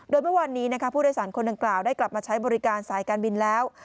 โดยเมื่อวานนี้ผู้โดยสารคนดังกล่าวได้กลับมาใช้บริการสายการบินแล้ว